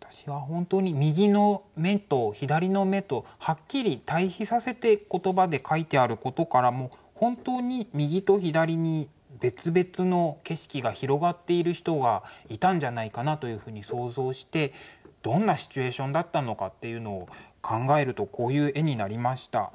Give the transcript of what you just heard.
私は本当に右の眼と左の眼とはっきり対比させて言葉で書いてあることからも本当に右と左に別々の景色が広がっている人がいたんじゃないかなと想像してどんなシチュエーションだったのかっていうのを考えるとこういう絵になりました。